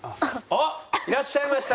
いらっしゃいました。